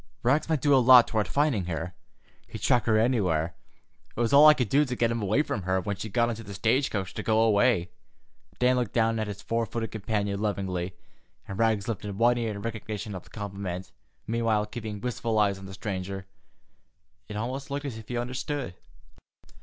"Rags might do a lot toward finding her. He'd track her anywhere. It was all I could do to get him away from her when she got into the stage coach to go away." Dan looked down at his four footed companion lovingly, and Rags lifted one ear in recognition of the compliment, meanwhile keeping wistful eyes on the stranger. It almost looked as if he understood.